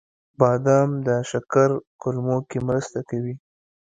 • بادام د شکر کمولو کې مرسته کوي.